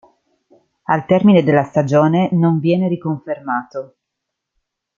Al termine della stagione, non viene riconfermato.